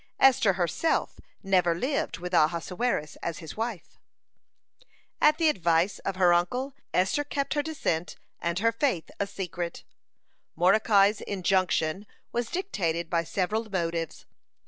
Esther herself never lived with Ahasuerus as his wife. (80) At the advice of her uncle, Esther kept her descent and her faith a secret. Mordecai's injunction was dictated by several motives.